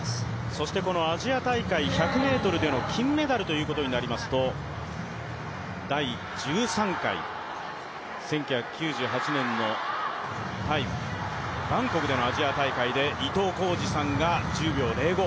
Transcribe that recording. そして、アジア大会１００ｍでの金メダルということになりますと第１３回、１９９８年のタイバンコクでのアジア大会で伊東浩司さんが１０秒０５。